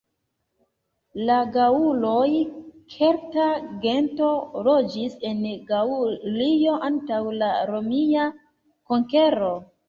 La gaŭloj -kelta gento- loĝis en Gaŭlio antaŭ la romia konkero.